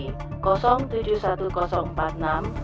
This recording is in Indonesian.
harap ke ruang dekan sekarang juga